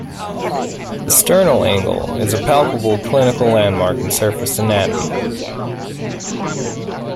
The sternal angle is a palpable clinical landmark in surface anatomy.